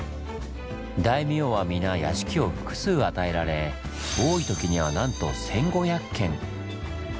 大名は皆屋敷を複数与えられ多いときにはなんと１，５００軒！